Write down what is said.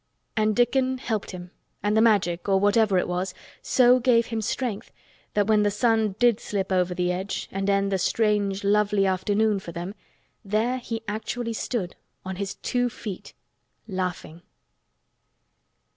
And Dickon helped him, and the Magic—or whatever it was—so gave him strength that when the sun did slip over the edge and end the strange lovely afternoon for them there he actually stood on his two feet—laughing.